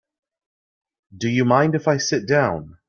Do you mind if I sit down?